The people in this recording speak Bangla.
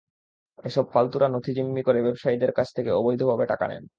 এসব ফালতুরা নথি জিম্মি করে ব্যবসায়ীদের কাছ থেকে অবৈধভাবে টাকা নেন।